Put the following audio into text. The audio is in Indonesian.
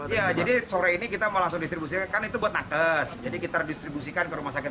iya jadi sore ini kita melaksanakan itu buat nages jadi kita distribusikan ke rumah sakit